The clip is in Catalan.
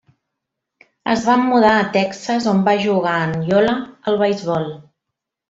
Es van mudar a Texas, on va jugar, en Iola, al beisbol.